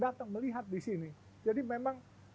datang melihat di sini jadi memang